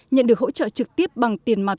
nhận được hỗ trợ trực tiếp bằng tiền mặt